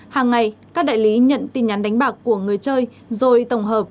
hàng ngày các đại lý nhận tin nhắn đánh bạc của người chơi rồi tổng hợp